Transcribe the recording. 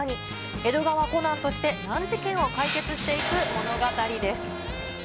江戸川コナンとして難事件を解決していく物語です。